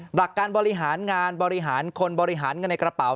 หลักการบริหารงานบริหารคนบริหารเงินในกระเป๋า